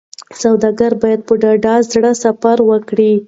سوداګر باید په ډاډه زړه سفر وکړي.